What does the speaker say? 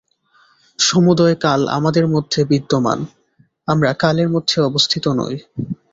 সমুদয় কাল আমাদের মধ্যে বিদ্যমান, আমরা কালের মধ্যে অবস্থিত নই।